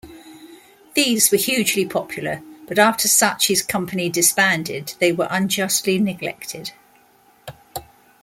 These were hugely popular, but after Sacchi's company disbanded, they were unjustly neglected.